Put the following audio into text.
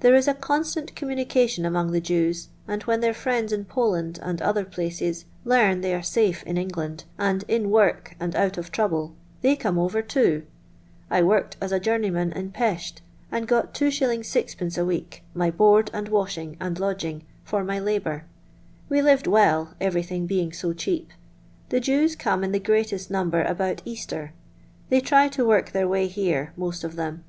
There is a constant communication among the Jevs, and vKen their friends in Poland, and other places, learn they are eafe in England, and in wort and out of trouble, they come over loo. I wn ted as a Journeyman in Pesth, and got 2s. 6d. a teeet, my board and cashing, and lodgiwf, for my labour. We lived well, everything being so cheap. The Jews come in the greatest number about Easter. They try to work their way here, most of them.